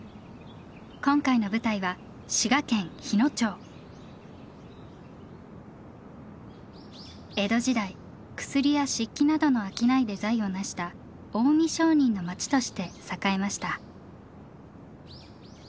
今回の舞台は江戸時代薬や漆器などの商いで財を成した近江商人の町として栄えました。